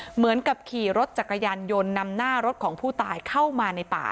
เหมือนกับขี่รถจักรยานยนต์นำหน้ารถของผู้ตายเข้ามาในป่า